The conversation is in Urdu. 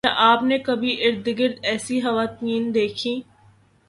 کیا آپ نے کبھی اپنی اررگرد ایسی خواتین دیکھیں